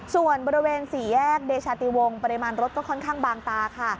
ส่วนบริเวณสี่แยกเดชาติวงปริมาณรถก็ค่อนข้างบางตาค่ะ